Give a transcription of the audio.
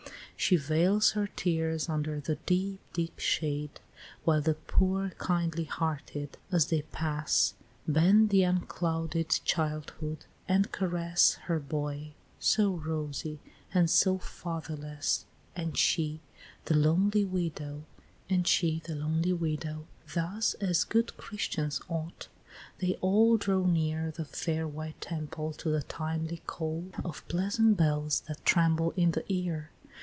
She veils her tears under the deep, deep shade, While the poor kindly hearted, as they pass, Bend to unclouded childhood, and caress Her boy, so rosy! and so fatherless! XII. Thus, as good Christians ought, they all draw near The fair white temple, to the timely call Of pleasant bells that tremble in the ear.